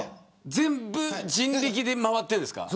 全部、人力で周っているんですか。